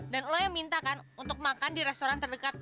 dan lo yang minta kan untuk makan di restoran terdekat